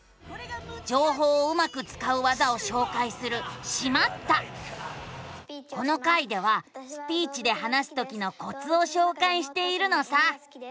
じょうほうをうまくつかう技をしょうかいするこの回ではスピーチで話すときのコツをしょうかいしているのさ。